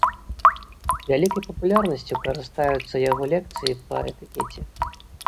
Вялікай папулярнасцю карыстаюцца яго лекцыі па этыкеце.